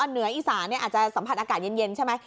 เหนืออีสานอาจจะสัมผัสอากาศเย็นใช่ไหม